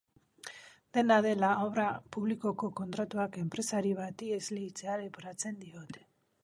Dena dela, obra publikoko kontratuak enpresari bati esleitzea leporatzen diote.